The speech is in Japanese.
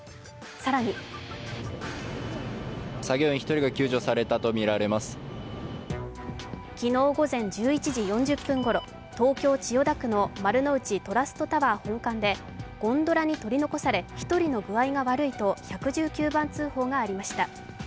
更に昨日午前１１時４０分ごろ、東京・千代田区の丸の内トラストタワー本館でゴンドラに取り残され１人の具合が悪いと１１９番通報がありました。